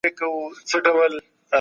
عدالتي نظام تر هر څه غوره دی.